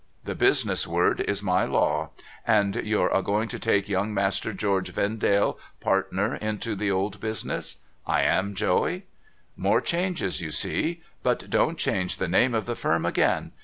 The Business's word is my law. And you're a going to take Young Master George Vendale partner into the old Business ?'' I am, Joey.' ' More changes, you see ! But don't change the name of the Firm again.